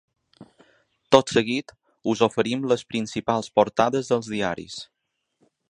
Tot seguit us oferim les principals portades dels diaris.